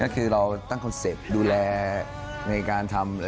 ก็คือเราตั้งคอนเซ็ปต์ดูแลในการทำ